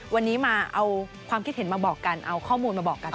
วันนี้มาเอาความคิดเห็นมาบอกกันเอาข้อมูลมาบอกกัน